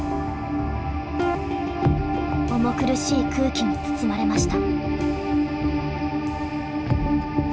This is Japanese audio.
重苦しい空気に包まれました。